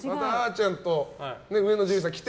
ちゃんと上野樹里さん来て！